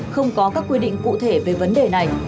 không có các quy định cụ thể về vấn đề này